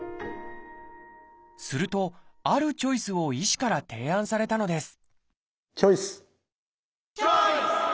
するとあるチョイスを医師から提案されたのですチョイス！